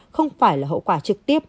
không phải là hậu quả trực tiếp